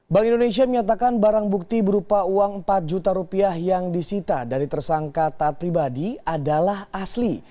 bank indonesia menyatakan barang bukti berupa uang empat juta rupiah yang disita dari tersangka taat pribadi adalah asli